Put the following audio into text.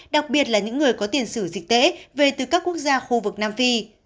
đặc biệt là những người có tiền sử dịch tễ về từ các quốc gia khu vực nam phi